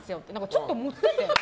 ちょっと盛ってて。